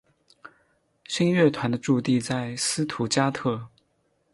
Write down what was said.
新乐团的驻地在斯图加特。